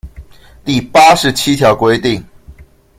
第八十七條規定